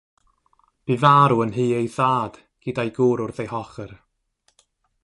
Bu farw yn nhŷ ei thad gyda'i gŵr wrth ei hochr.